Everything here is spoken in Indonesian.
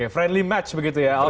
friendly match begitu ya